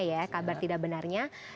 ya kabar tidak benarnya